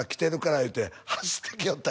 言うて走ってきよったんよ